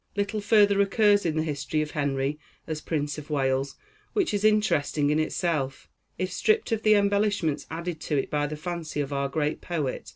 Little further occurs in the history of Henry as Prince of Wales which is interesting in itself, if stripped of the embellishments added to it by the fancy of our great poet.